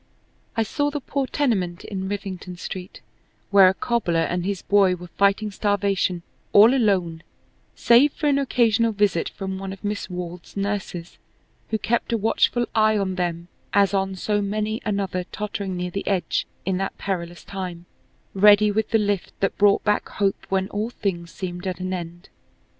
I saw the poor tenement in Rivington Street where a cobbler and his boy were fighting starvation all alone save for an occasional visit from one of Miss Wald's nurses who kept a watchful eye on them as on so many another tottering near the edge in that perilous time, ready with the lift that brought back hope when all things seemed at an end.